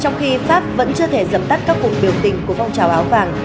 trong khi pháp vẫn chưa thể giấm tắt các vùng biểu tình của vong trào áo vàng